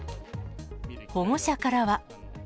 保護者からは。